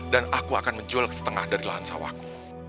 dan aku akan menjual kesetengah dari lahan sawahku